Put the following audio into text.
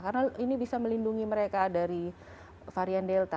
karena ini bisa melindungi mereka dari varian delta